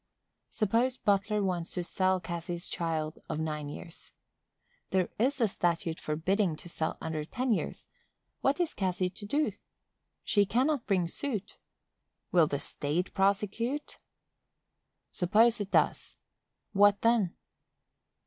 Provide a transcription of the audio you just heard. Suppose Butler wants to sell Cassy's child of nine years. There is a statute forbidding to sell under ten years;—what is Cassy to do? She cannot bring suit. Will the state prosecute? Suppose it does,—what then?